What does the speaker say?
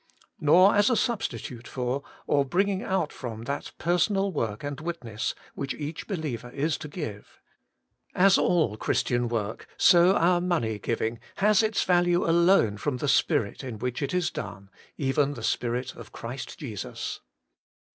Nor as a substitute for, or bringing out from that personal work and witness, which each believer is to give. As all Christian work, so our money giving has its value alone from the spirit in which it is done, even the spirit of Christ Jesus.